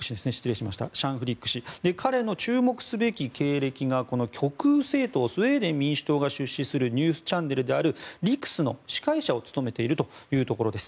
彼の注目すべき経歴が極右政党スウェーデン民主党が出資するニュースチャンネルである「リクス」の司会者を務めているというところです。